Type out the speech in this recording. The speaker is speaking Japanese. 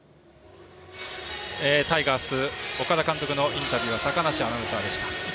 タイガース岡田監督のインタビューは坂梨アナウンサーでした。